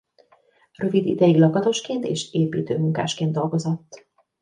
Rövid ideig lakatosként és építőmunkásként dolgozott.